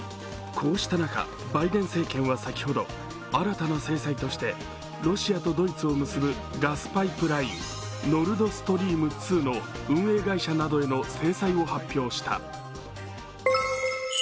こうした中、バイデン政権は先ほど新たな制裁としてロシアとドイツを結ぶガスパイプライン、ノルドストリーム２の運営会社などへの制裁を発表した。